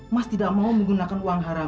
mas tidak mau menggunakan uang haram